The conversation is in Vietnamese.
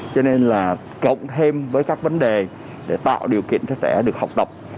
cho nên là cộng thêm với các vấn đề để tạo điều kiện cho trẻ được học tập